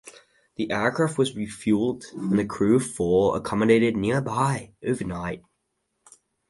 The aircraft was refuelled and the crew of four accommodated nearby overnight.